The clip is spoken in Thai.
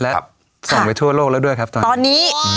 และส่งไปทั่วโลกแล้วด้วยครับตอนนี้